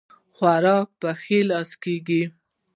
خوراک په ښي لاس کيږي